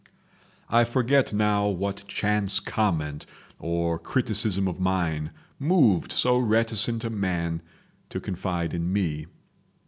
I forget now what chance comment or criticism of mine moved so reticent a man to confide in me.